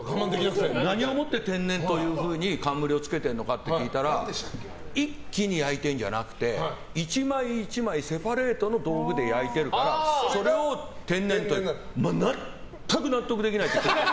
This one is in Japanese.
何をもって天然というふうに冠をつけてるのかって聞いたら一気に焼いてるんじゃなくて１枚１枚セパレートの道具で焼いてるからそれを天然と呼ぶ。